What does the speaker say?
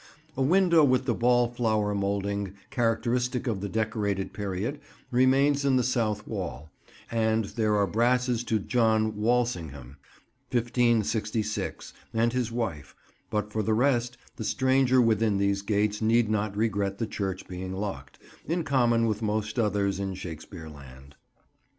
A window with the ball flower moulding characteristic of the Decorated period remains in the south wall, and there are brasses to John Walsingham, 1566, and his wife; but for the rest, the stranger within these gates need not regret the church being locked, in common with most others in Shakespeare land.